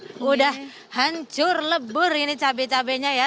sudah hancur lebur ini cabai cabainya ya